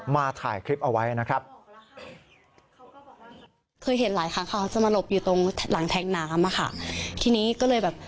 มาถ่ายคลิปเอาไว้นะครับ